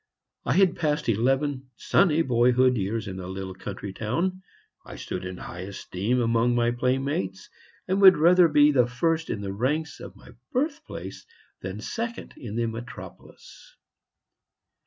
I had passed eleven sunny boyhood years in the little country town, I stood in high esteem among my playmates, and would rather be the first in the ranks of my birthplace than second in the metropolis.